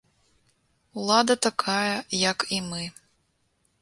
Улада такая, як і мы.